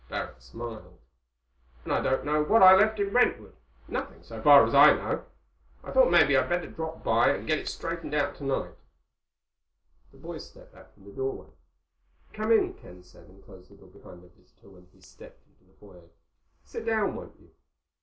Barrack smiled. "And I don't know what I left in Brentwood. Nothing, so far as I know. I thought maybe I'd better drop by and get it straightened out tonight." The boys stepped back from the doorway. "Come on in," Ken said, and closed the door behind their visitor when he had stepped into the foyer. "Sit down, won't you?"